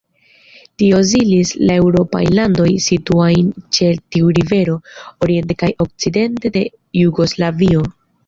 Tio izolis la eŭropajn landojn, situantajn ĉe tiu rivero, oriente kaj okcidente de Jugoslavio.